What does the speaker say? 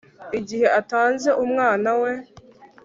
igihe atanze umwana we